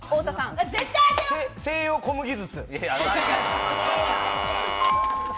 西洋小麦筒。